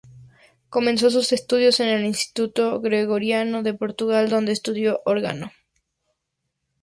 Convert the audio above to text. Comenzó sus estudios en el Instituto Gregoriano de Portugal donde estudió órgano.